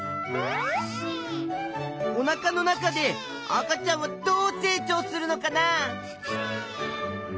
おなかの中で赤ちゃんはどう成長するのかな？